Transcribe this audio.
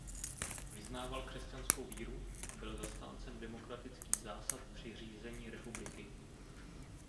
Vyznával křesťanskou víru a byl zastáncem demokratických zásad při řízení republiky.